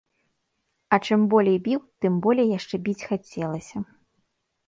А чым болей біў, тым болей яшчэ біць хацелася.